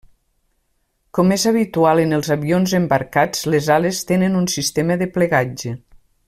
Com és habitual en els avions embarcats les ales tenen un sistema de plegatge.